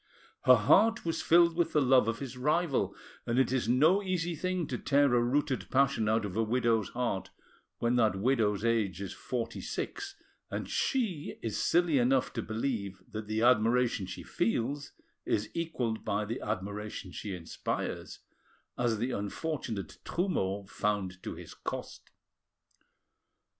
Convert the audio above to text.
Her heart was filled with the love of his rival, and it is no easy thing to tear a rooted passion out of a widow's heart when that widow's age is forty six, and she is silly enough to believe that the admiration she feels is equalled by the admiration she inspires, as the unfortunate Trumeau found to his cost.